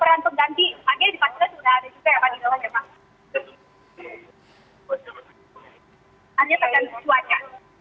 arnya terganti cuaca